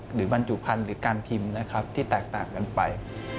หรือบรรจุภัณฑ์หรือการพิมพ์ที่แตกต่างกันไป